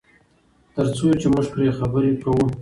تر څو چې موږ پرې خبرې کوو.